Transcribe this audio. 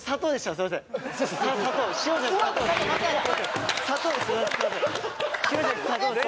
すいません怖っ！